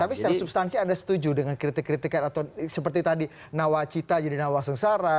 tapi secara substansi anda setuju dengan kritik kritikan atau seperti tadi nawacita jadi nawa sengsara